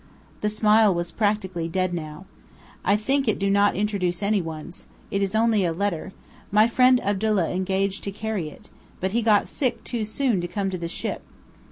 The smile was practically dead now. "I think it do not introduce any ones. It is only a letter. My friend Abdullah engaged to carry it. But he got sick too soon to come to the ship."